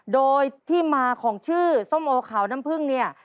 โดยที่มาของชื่อส้มโอขาวน้ำผึ้งเนี่ย